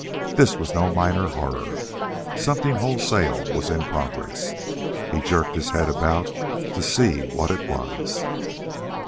This was no minor horror. Something wholesale was in progress. He jerked his head about to see what it was.